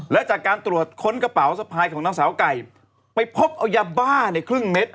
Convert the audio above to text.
และจากการตรวจค้นกระเป๋าสะพายของนางสาวไก่ไปพบเอายาบ้าในครึ่งเม็ด